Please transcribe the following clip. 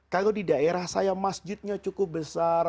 kalau di daerah saya masjidnya cukup besar